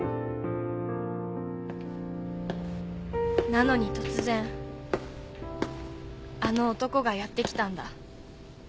［なのに突然あの男がやって来たんだ］